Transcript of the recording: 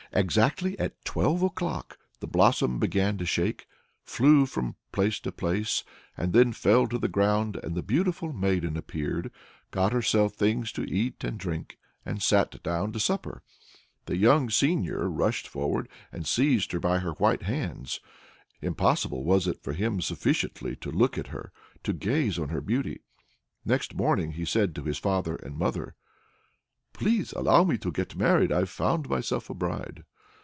Exactly at twelve o'clock the blossom began to shake, flew from place to place, and then fell to the ground, and the beautiful maiden appeared, got herself things to eat and drink, and sat down to supper. The young seigneur rushed forward and seized her by her white hands. Impossible was it for him sufficiently to look at her, to gaze on her beauty! Next morning he said to his father and mother, "Please allow me to get married. I've found myself a bride."